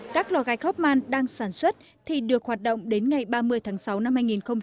các lò gạch hóc man đang sản xuất thì được hoạt động đến ngày ba mươi tháng sáu năm hai nghìn một mươi hai